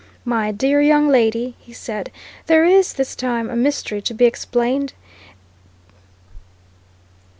"My dear young lady," he said, "there is, this time, a mystery to be explained.